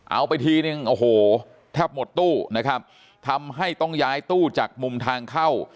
เอาไปทีนึงโอ้โหแทบหมดตู้นะครับทำให้ต้องย้ายตู้จากมุมทางเข้า